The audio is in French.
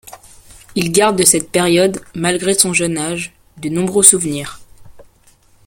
Il garde de cette période, malgré son jeune âge, de nombreux souvenirs...